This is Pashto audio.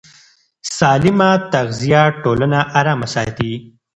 سالمه تغذیه ټولنه ارامه ساتي.